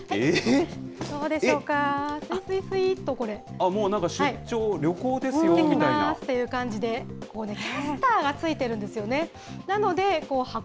どうでしょうか、すいすいすもうなんか、出張、旅行ですいってきまーすという感じでね、これね、キャスターが付いてるんですよね。